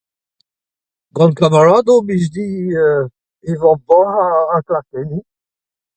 Gant kamaradoù e plij din [eeu] evañ ur banne ha ha klakenniñ.